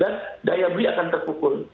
daya beli akan terpukul